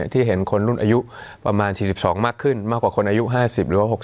ที่เห็นคนรุ่นอายุประมาณ๔๒มากขึ้นมากกว่าคนอายุ๕๐หรือว่า๖๐